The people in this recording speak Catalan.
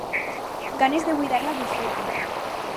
Ganes de buidar la bufeta.